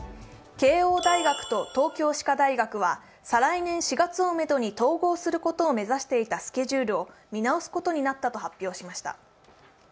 慶応大学と東京歯科大学は再来年４月をめどに統合することにしていたスケジュールを見直すことになったと発表しました。